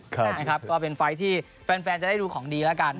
นะครับก็เป็นไฟล์ที่แฟนจะได้ดูของดีแล้วกัน